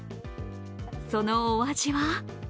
そのお味は？